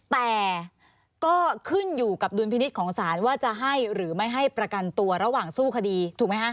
แต่ก็ขึ้นอยู่กับดุลพินิษฐ์ของศาลว่าจะให้หรือไม่ให้ประกันตัวระหว่างสู้คดีถูกไหมคะ